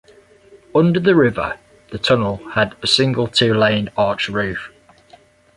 Under the river the tunnel had a single two-lane arched roof.